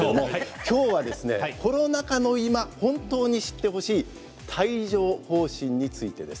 きょうはコロナ禍の今本当に知ってほしい帯状ほう疹についてです。